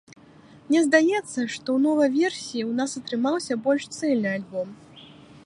Мне здаецца, што ў новай версіі ў нас атрымаўся больш цэльны альбом.